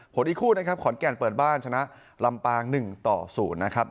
อีกคู่นะครับขอนแก่นเปิดบ้านชนะลำปาง๑ต่อ๐นะครับ